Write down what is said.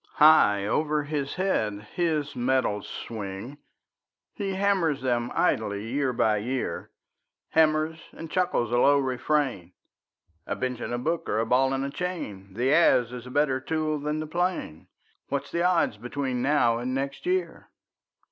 High over his head his metals swing; He hammers them idly year by year, Hammers and chuckles a low refrain: "A bench and a book are a ball and a chain, The adze is a better tool than the plane; What's the odds between now and next year?"